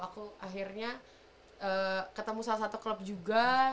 aku akhirnya ketemu salah satu klub juga